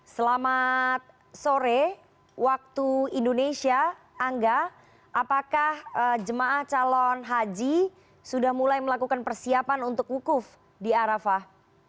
selamat sore waktu indonesia angga apakah jemaah calon haji sudah mulai melakukan persiapan untuk wukuf di arafah